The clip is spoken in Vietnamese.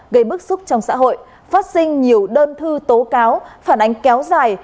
gây bức xúc trong xã hội phát sinh nhiều đơn thư tố cáo phản ánh kéo dài